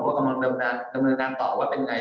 เค้าก็เหมือนว่ากำลังดำนานต่อว่าเป็นยังไง